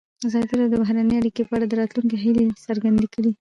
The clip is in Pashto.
ازادي راډیو د بهرنۍ اړیکې په اړه د راتلونکي هیلې څرګندې کړې.